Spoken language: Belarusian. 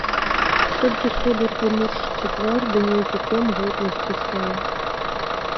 Толькі сударгай моршчыцца твар ды нейкі ком горла сціскае.